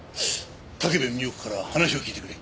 武部美代子から話を聞いてくれ。